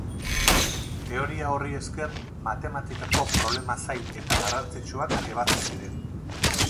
Teoria horri esker, matematikako problema zail eta garrantzitsuak ebatzi ziren.